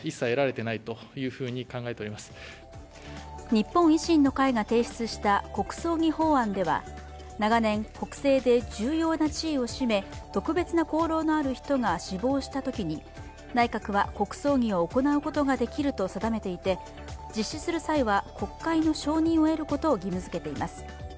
日本維新の会が提出した国葬儀法案では長年、国政で重要な地位を占め特別な功労のある人が死亡したときに内閣は国葬儀を行うことができると定めていて、実施する際は、国会の承認を得ることを義務付けています。